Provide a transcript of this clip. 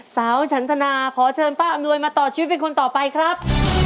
ฉันธนาขอเชิญป้าอำนวยมาต่อชีวิตเป็นคนต่อไปครับ